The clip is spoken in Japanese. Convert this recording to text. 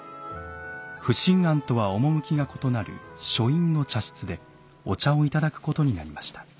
不審菴とは趣が異なる書院の茶室でお茶を頂くことになりました。